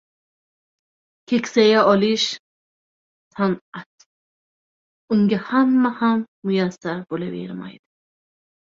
Keksaya olish — san’at, unga hamma ham muyassar bo‘lavermaydi.